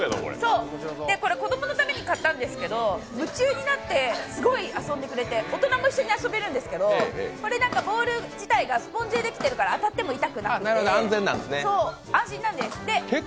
これ、子供のために買ったんですけど、夢中になってすごい遊んでくれて大人も一緒に遊べるんですけどボール自体がスポンジでできてるから当たっても痛くなくて安心なんです。